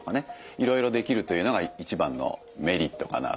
いろいろできるというのが一番のメリットかなと。